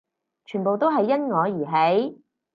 全部都係因我而起